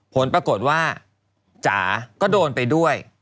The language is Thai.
ผลปรากฏว่าจ๋าก็โดนไปด้วย